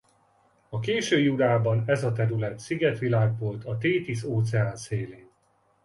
A késő jurában ez a terület szigetvilág volt a Tethys-óceán szélén.